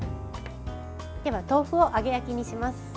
では、豆腐を揚げ焼きにします。